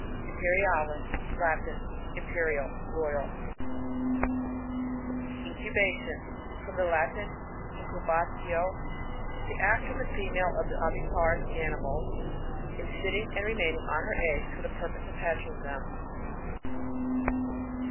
Ihperiaus. — Latin. Imperial, royaL Incubation. — From the Latin, iwcti batio. The act of the female of oviparous animals, in sitting and^ remaining on her eggs for the pur pose of hatching them.